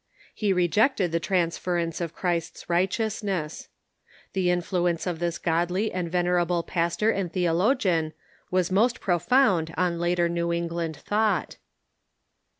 He rejected the transference of Christ's righteousness. The influence of this godly and venerable jias tor and theologian was most profound on later New England thought.